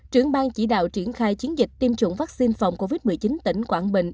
trưởng bang chỉ đạo triển khai chiến dịch tiêm chủng vaccine phòng covid một mươi chín tỉnh quảng bình